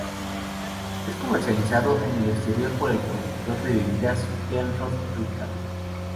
Es comercializado en el exterior por el productor de bebidas Pernod Ricard.